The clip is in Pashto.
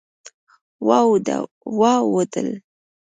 واوډل